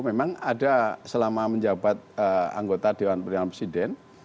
memang ada selama menjabat anggota dewan perintah presiden